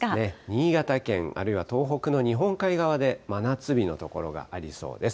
新潟県、あるいは東北の日本海側で真夏日の所がありそうです。